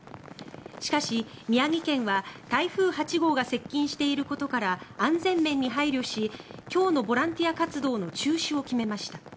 しかし、宮城県は台風８号が接近していることから安全面に配慮し今日のボランティア活動の中止を決めました。